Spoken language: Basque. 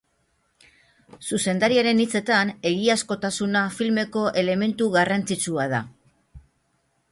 Zuzendariaren hitzetan egiazkotasuna filmeko elementu garrantzitsua da.